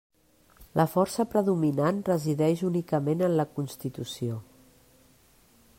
La força predominant resideix únicament en la constitució.